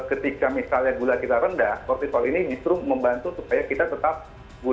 ketika misalnya gula kita rendah kortisol ini justru membantu supaya kita tetap gunakan